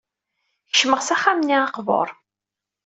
Kecmeɣ s axxam-nni aqbur.